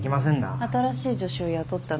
新しい助手を雇ったの？